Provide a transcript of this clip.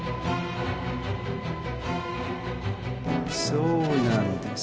そうなんです。